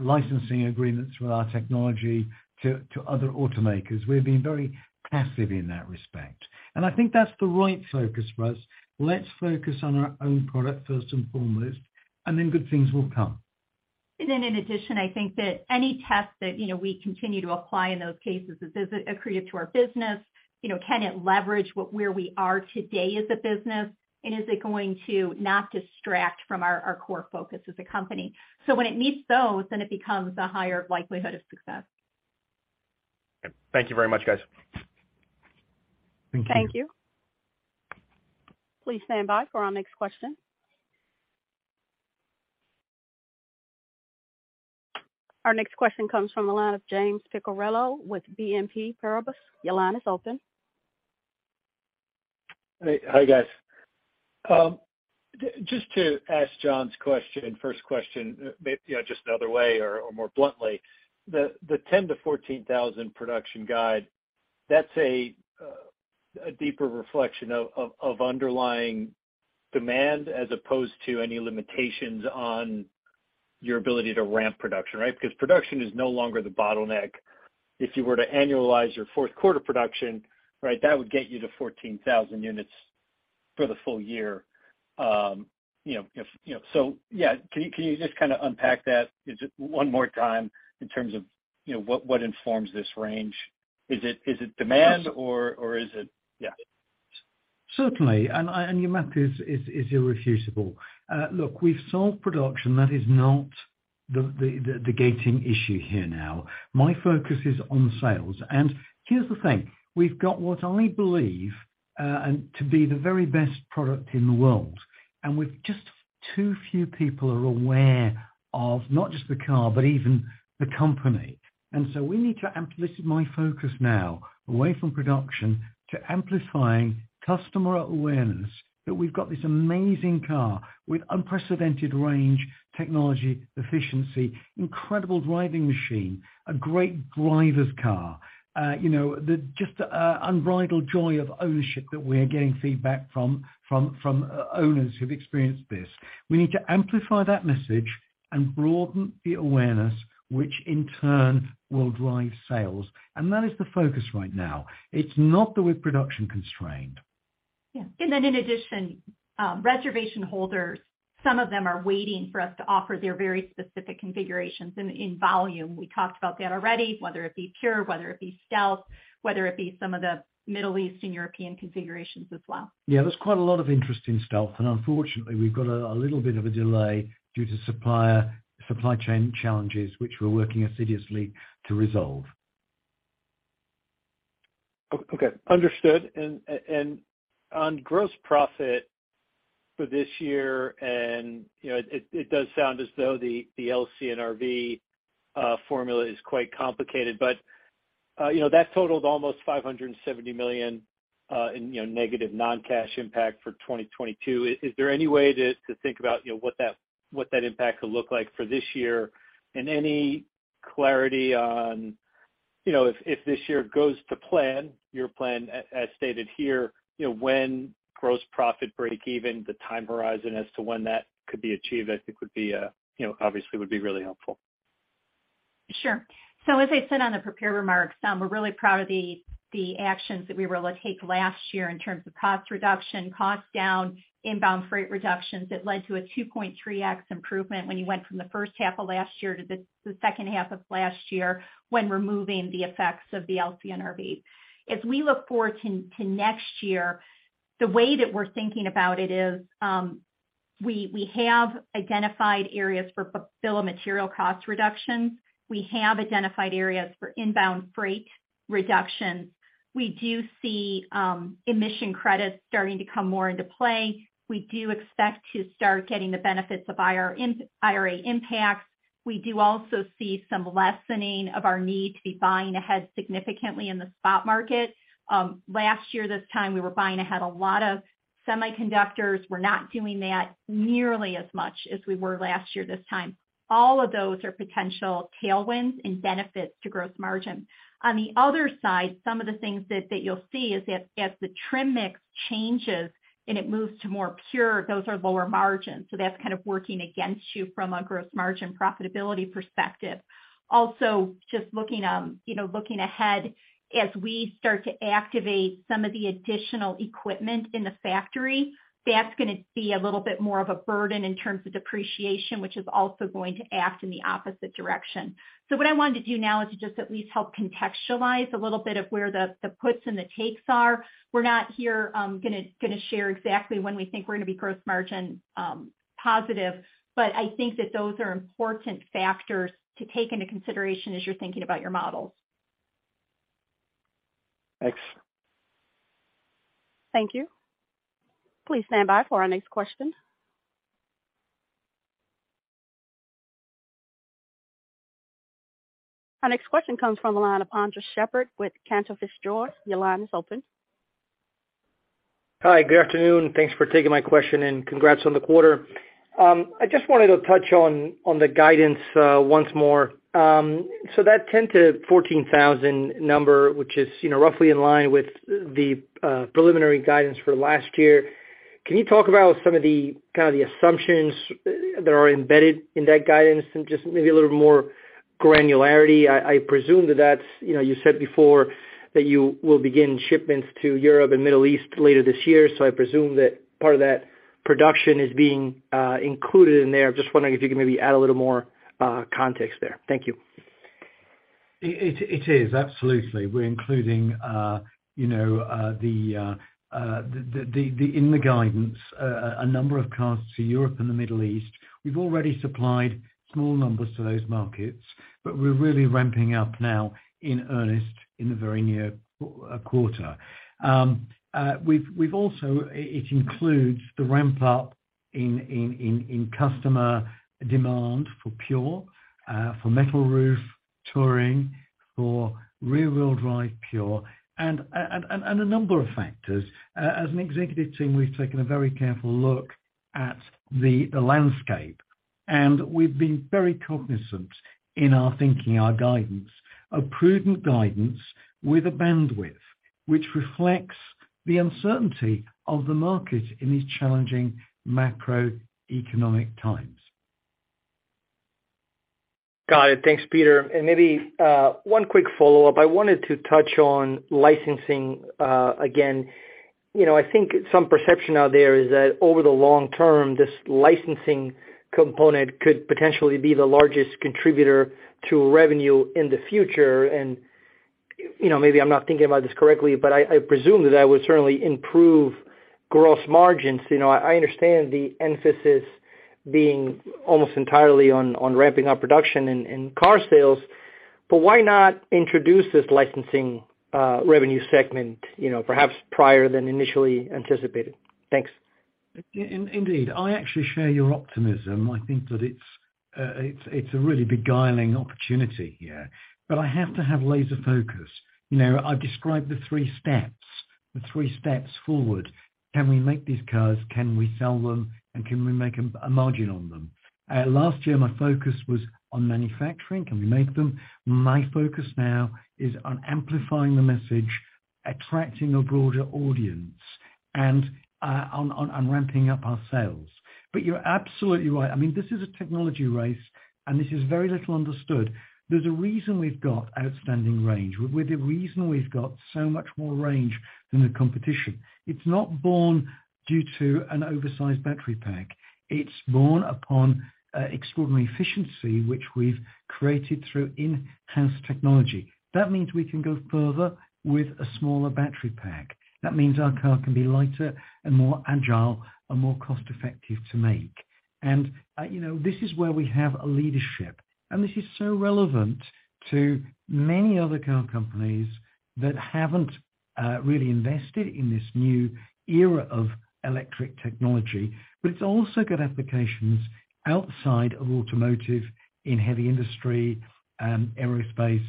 licensing agreements with our technology to other automakers. We're being very passive in that respect. I think that's the right focus for us. Let's focus on our own product first and foremost, and then good things will come.
In addition, I think that any test that, you know, we continue to apply in those cases, is it accretive to our business? You know, can it leverage where we are today as a business? Is it going to not distract from our core focus as a company? When it meets those, then it becomes a higher likelihood of success.
Thank you very much, guys.
Thank you.
Thank you. Please stand by for our next question. Our next question comes from the line of James Picariello with BNP Paribas. Your line is open.
Hi. Hi, guys. just to ask John's question, first question, you know, just another way or more bluntly. The 10,000-14,000 production guide, that's a deeper reflection of underlying demand as opposed to any limitations on your ability to ramp production, right? Because production is no longer the bottleneck. If you were to annualize your fourth quarter production, right, that would get you to 14,000 units for the full year. you know, if. Yeah. Can you, can you just kinda unpack that just one more time in terms of, you know, what informs this range? Is it, is it demand or is it... Yeah.
Certainly. Your math is irrefutable. Look, we've solved production. That is not the gating issue here now. My focus is on sales. Here's the thing. We've got what I believe to be the very best product in the world. With just too few people are aware of not just the car, but even the company. This is my focus now, away from production to amplifying customer awareness that we've got this amazing car with unprecedented range, technology, efficiency, incredible driving machine, a great driver's car. you know, the just unbridled joy of ownership that we're getting feedback from owners who've experienced this. We need to amplify that message and broaden the awareness, which in turn will drive sales. That is the focus right now. It's not that we're production constrained.
Yeah. In addition, reservation holders, some of them are waiting for us to offer their very specific configurations in volume. We talked about that already, whether it be Pure, whether it be Stealth, whether it be some of the Middle Eastern, European configurations as well.
Yeah, there's quite a lot of interest in Stealth. Unfortunately, we've got a little bit of a delay due to supply chain challenges, which we're working assiduously to resolve.
Okay. Understood. On gross profit for this year, and, you know, it does sound as though the LCNRV formula is quite complicated. You know, that totaled almost $570 million in, you know, negative non-cash impact for 2022. Is there any way to think about, you know, what that impact could look like for this year? Any clarity on, you know, if this year goes to plan, your plan as stated here, you know, when gross profit break even, the time horizon as to when that could be achieved, I think would be, you know, obviously would be really helpful.
As I said on the prepared remarks, we're really proud of the actions that we were able to take last year in terms of cost reduction, cost down, inbound freight reductions that led to a 2.3x improvement when you went from the first half of last year to the second half of last year when removing the effects of the LCNRV. As we look forward to next year, the way that we're thinking about it is, we have identified areas for bill of material cost reductions. We have identified areas for inbound freight reductions. We do see emission credits starting to come more into play. We do expect to start getting the benefits of IR impact. We do also see some lessening of our need to be buying ahead significantly in the spot market. Last year, this time, we were buying ahead a lot of semiconductors. We're not doing that nearly as much as we were last year this time. All of those are potential tailwinds and benefits to gross margin. The other side, some of the things that you'll see is as the trim mix changes and it moves to more Pure, those are lower margins. That's kind of working against you from a gross margin profitability perspective. Just looking, you know, looking ahead, as we start to activate some of the additional equipment in the factory, that's gonna be a little bit more of a burden in terms of depreciation, which is also going to act in the opposite direction. What I wanted to do now is to just at least help contextualize a little bit of where the puts and the takes are. We're not here, gonna share exactly when we think we're gonna be gross margin positive, but I think that those are important factors to take into consideration as you're thinking about your models.
Thanks.
Thank you. Please stand by for our next question. Our next question comes from the line of Andres Sheppard with Cantor Fitzgerald. Your line is open.
Hi, good afternoon. Thanks for taking my question and congrats on the quarter. I just wanted to touch on the guidance once more. That 10,000-14,000 number, which is, you know, roughly in line with the preliminary guidance for last year. Can you talk about some of the, kind of the assumptions that are embedded in that guidance and just maybe a little more granularity? I presume that that's, you know, you said before that you will begin shipments to Europe and Middle East later this year. I presume that part of that production is being included in there. I'm just wondering if you can maybe add a little more context there. Thank you.
It is. Absolutely. We're including, you know, in the guidance, a number of cars to Europe and the Middle East. We've already supplied small numbers to those markets, but we're really ramping up now in earnest in the very near quarter. We've also, it includes the ramp up in customer demand for Pure, for Metal Roof Touring, for rear wheel drive Pure and a number of factors. As an executive team, we've taken a very careful look at the landscape, and we've been very cognizant in our thinking, our guidance. A prudent guidance with a bandwidth which reflects the uncertainty of the market in these challenging macroeconomic times.
Got it. Thanks, Peter. Maybe one quick follow-up. I wanted to touch on licensing again. You know, I think some perception out there is that over the long term, this licensing component could potentially be the largest contributor to revenue in the future. You know, maybe I'm not thinking about this correctly, but I presume that that would certainly improve gross margins. You know, I understand the emphasis being almost entirely on ramping up production and car sales, but why not introduce this licensing revenue segment, you know, perhaps prior than initially anticipated? Thanks.
Indeed. I actually share your optimism. I think that it's a really beguiling opportunity here. I have to have laser focus. You know, I've described the three steps forward. Can we make these cars? Can we sell them? Can we make a margin on them? Last year, my focus was on manufacturing. Can we make them? My focus now is on amplifying the message, attracting a broader audience and on ramping up our sales. You're absolutely right. I mean, this is a technology race. This is very little understood. There's a reason we've got outstanding range. With a reason we've got so much more range than the competition. It's not born due to an oversized battery pack. It's born upon extraordinary efficiency, which we've created through enhanced technology. That means we can go further with a smaller battery pack. That means our car can be lighter and more agile and more cost-effective to make. You know, this is where we have a leadership. This is so relevant to many other car companies that haven't really invested in this new era of electric technology. It's also got applications outside of automotive in heavy industry, aerospace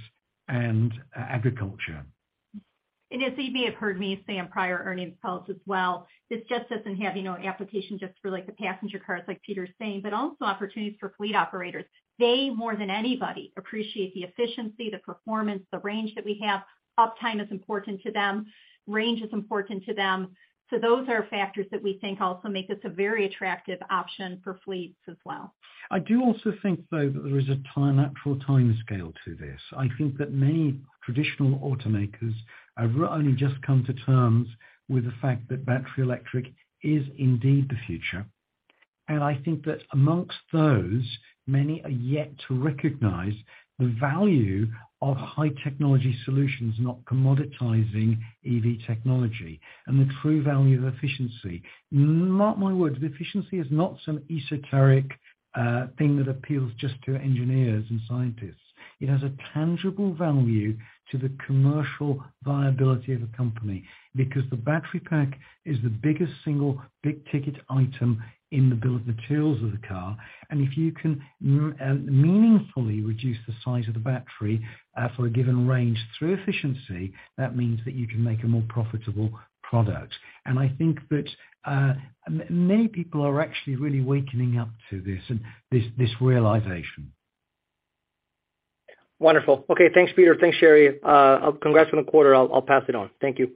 and agriculture.
As you may have heard me say on prior earnings calls as well, this just doesn't have, you know, an application just for like the passenger cars, like Peter's saying, but also opportunities for fleet operators. They more than anybody appreciate the efficiency, the performance, the range that we have. Uptime is important to them. Range is important to them. Those are factors that we think also make this a very attractive option for fleets as well.
I do also think, though, that there is a natural timescale to this. I think that many traditional automakers have only just come to terms with the fact that battery electric is indeed the future. I think that amongst those many are yet to recognize the value of high technology solutions, not commoditizing EV technology and the true value of efficiency. Mark my words, efficiency is not some esoteric thing that appeals just to engineers and scientists. It has a tangible value to the commercial viability of a company because the battery pack is the biggest single big-ticket item in the bill of materials of the car. If you can meaningfully reduce the size of the battery for a given range through efficiency, that means that you can make a more profitable product. I think that, many people are actually really waking up to this and this realization.
Wonderful. Okay. Thanks, Peter. Thanks, Sherry. Congrats on the quarter. I'll pass it on. Thank you.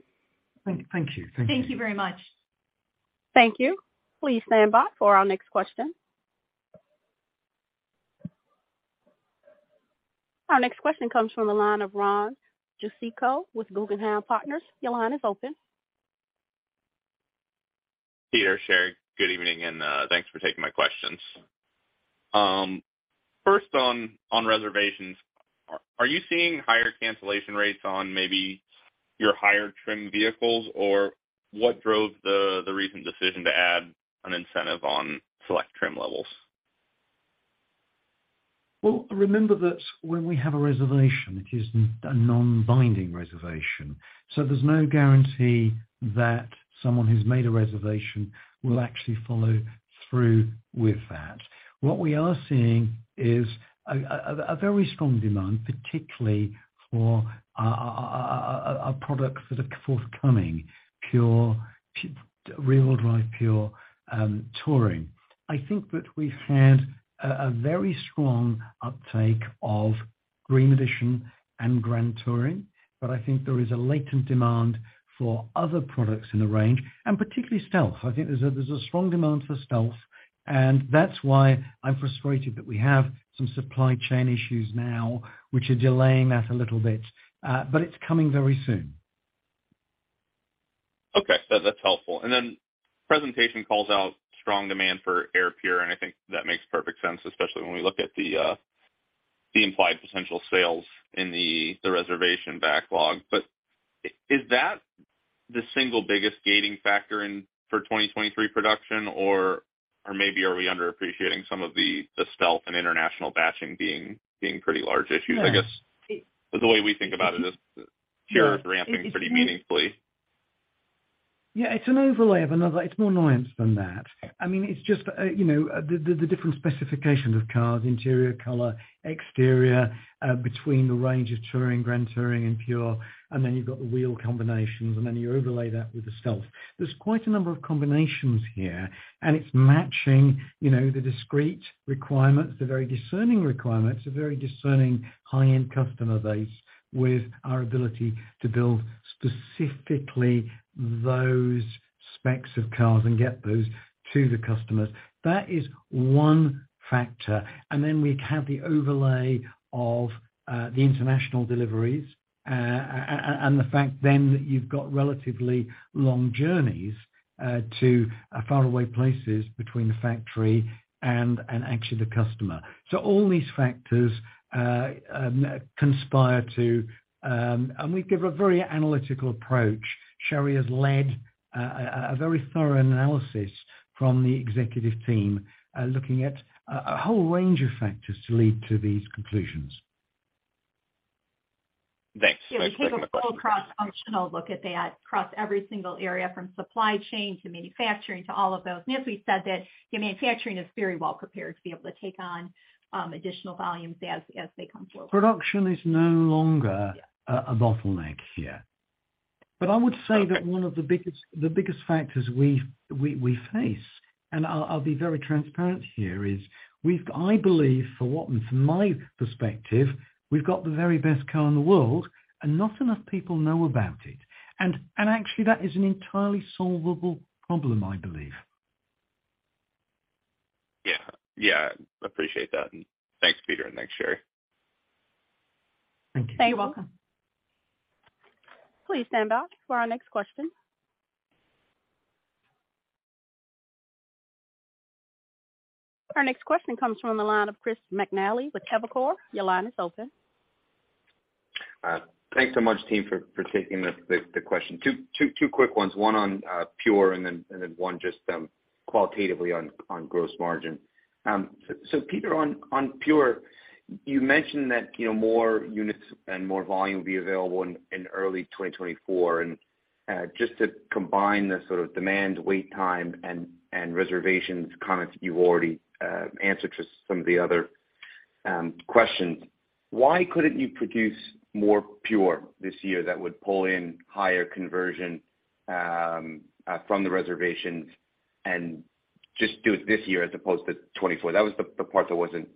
Thank you. Thank you.
Thank you very much.
Thank you. Please stand by for our next question. Our next question comes from the line of Ron Jewsikow with Guggenheim Partners. Your line is open.
Peter, Sherry, good evening and thanks for taking my questions. First on reservations. Are you seeing higher cancellation rates on maybe your higher trim vehicles, or what drove the recent decision to add an incentive on select trim levels?
Well, remember that when we have a reservation, it is a non-binding reservation, so there's no guarantee that someone who's made a reservation will actually follow through with that. What we are seeing is a very strong demand, particularly for our products that are forthcoming, Pure, rear wheel drive Pure, Touring. I think that we've had a very strong uptake of Dream Edition and Grand Touring, but I think there is a latent demand for other products in the range, and particularly Stealth. I think there's a strong demand for Stealth, and that's why I'm frustrated that we have some supply chain issues now, which are delaying that a little bit. It's coming very soon.
That's helpful. Presentation calls out strong demand for Air Pure, and I think that makes perfect sense, especially when we look at the implied potential sales in the reservation backlog. Is that the single biggest gating factor for 2023 production or maybe are we underappreciating some of the Stealth and international batching being pretty large issues?
No.
I guess the way we think about it is Pure is ramping pretty meaningfully.
It's an overlay of another. It's more nuanced than that. I mean, it's just, you know, the different specifications of cars, interior color, exterior, between the range of Touring, Grand Touring and Pure, you've got the wheel combinations, you overlay that with the Stealth. There's quite a number of combinations here. It's matching, you know, the discrete requirements, the very discerning requirements, a very discerning high-end customer base with our ability to build specifically those specs of cars and get those to the customers. That is one factor. We have the overlay of the international deliveries, and the fact that you've got relatively long journeys to faraway places between the factory and actually the customer. All these factors conspire to. We give a very analytical approach. Sherry has led a very thorough analysis from the executive team, looking at a whole range of factors to lead to these conclusions.
Thanks. Thanks very much.
Yeah, we take a full cross-functional look at that, across every single area from supply chain to manufacturing to all of those. As we said that the manufacturing is very well prepared to be able to take on additional volumes as they come forward.
Production is no longer a bottleneck here. I would say that one of the biggest factors we face, and I'll be very transparent here, is we've I believe for what, from my perspective, we've got the very best car in the world and not enough people know about it. Actually that is an entirely solvable problem, I believe.
Yeah. Appreciate that. Thanks, Peter, and thanks, Sherry.
Thank you.
You're welcome.
Please stand by for our next question. Our next question comes from the line of Chris McNally with Evercore. Your line is open.
Thanks so much, team, for taking the question. Two quick ones, one on Pure and then one just qualitatively on gross margin. So Peter, on Pure, you mentioned that, you know, more units and more volume will be available in early 2024. Just to combine the sort of demand wait time and reservations comments you've already answered to some of the other questions. Why couldn't you produce more Pure this year that would pull in higher conversion from the reservations and just do it this year as opposed to 2024? That was the part that wasn't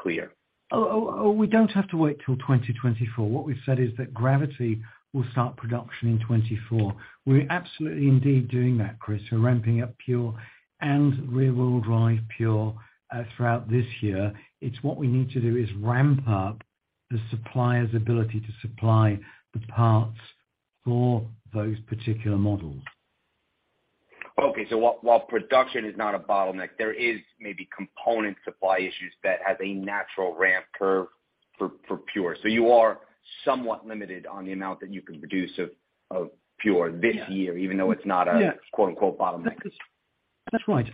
clear.
We don't have to wait till 2024. What we've said is that Gravity will start production in 2024. We're absolutely indeed doing that, Chris. We're ramping up Pure and rear wheel drive Pure throughout this year. It's what we need to do is ramp up the supplier's ability to supply the parts for those particular models.
Okay. While production is not a bottleneck, there is maybe component supply issues that has a natural ramp curve for Pure. You are somewhat limited on the amount that you can produce of Pure this year, even though it's not a quote-unquote bottleneck.
That's right.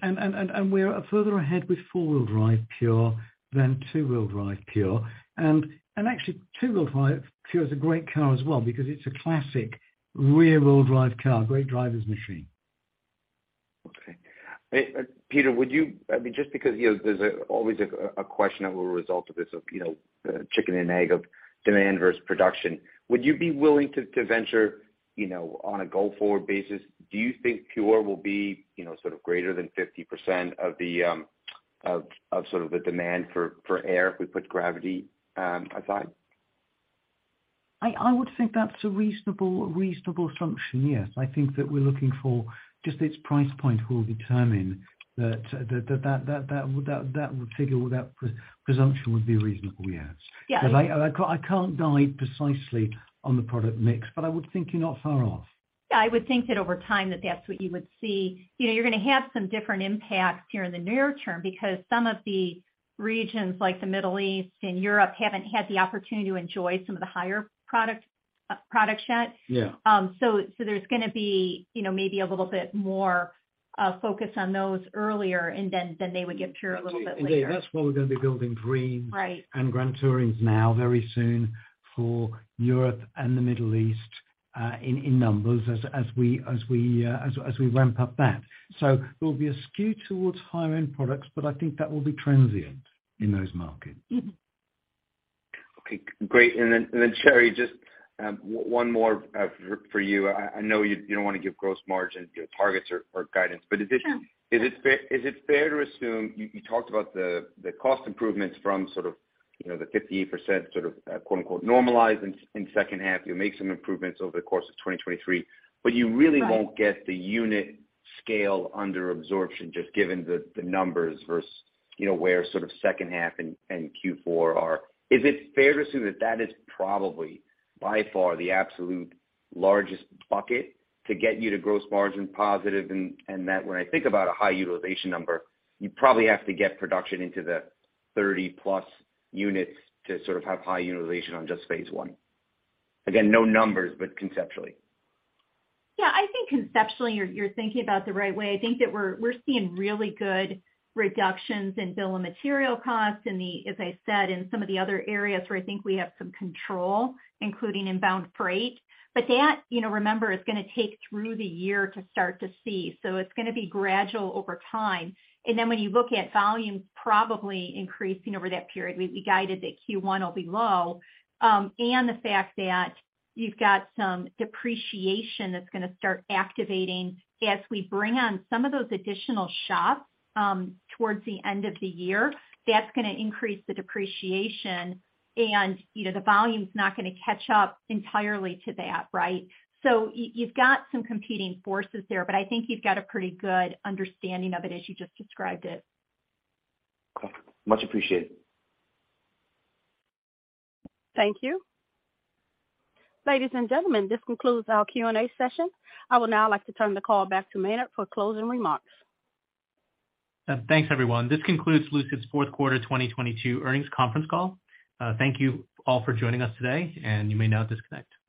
We're further ahead with four-wheel drive Pure than two-wheel drive Pure. Actually two-wheel drive Pure is a great car as well because it's a classic rear wheel drive car, great driver's machine.
Okay. Peter, would you, I mean, just because, you know, there's always a question that will result of this of, you know, chicken and egg of demand versus production. Would you be willing to venture, you know, on a go-forward basis, do you think Pure will be, you know, sort of greater than 50% of the of sort of the demand for Air if we put Gravity aside?
I would think that's a reasonable assumption, yes. I think that we're looking for just its price point will determine that figure or that presumption would be reasonable, yes.
Yeah-
I can't dive precisely on the product mix, but I would think you're not far off.
Yeah, I would think that over time that that's what you would see. You know, you're gonna have some different impacts here in the near term because some of the regions like the Middle East and Europe haven't had the opportunity to enjoy some of the higher product set.
Yeah.
There's gonna be, you know, maybe a little bit more focus on those earlier, and then they would get Pure a little bit later.
That's why we're gonna be building Greens-
Right...
and Grand Tourings now very soon for Europe and the Middle East, in numbers as we ramp up that. There will be a skew towards higher end products, but I think that will be transient in those markets.
Mm-hmm.
Okay, great. Then Sherry, just one more for you. I know you don't wanna give gross margin, you know, targets or guidance. Is it-
No...
is it fair to assume you talked about the cost improvements from sort of, you know, the 58% sort of, quote-unquote normalized in second half. You'll make some improvements over the course of 2023. you really won't-
Right...
get the unit scale under absorption just given the numbers versus, you know, where sort of second half and Q4 are. Is it fair to assume that that is probably by far the absolute largest bucket to get you to gross margin positive? That when I think about a high utilization number, you probably have to get production into the 30-plus units to sort of have high utilization on just phase one. Again, no numbers, but conceptually.
Yeah, I think conceptually you're thinking about the right way. I think that we're seeing really good reductions in bill of material costs in the, as I said, in some of the other areas where I think we have some control, including inbound freight. That, you know, remember, is gonna take through the year to start to see. It's gonna be gradual over time. When you look at volume probably increasing over that period, we guided that Q1 will be low. The fact that you've got some depreciation that's gonna start activating as we bring on some of those additional shops towards the end of the year, that's gonna increase the depreciation, you know, the volume's not gonna catch up entirely to that, right? You've got some competing forces there, but I think you've got a pretty good understanding of it as you just described it.
Okay. Much appreciated.
Thank you. Ladies and gentlemen, this concludes our Q&A session. I would now like to turn the call back to Maynard for closing remarks.
Thanks everyone. This concludes Lucid's fourth quarter 2022 earnings conference call. Thank you all for joining us today, and you may now disconnect.